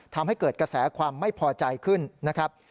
ทำให้เกิดกระแสความไม่พอใจขึ้นนะครับ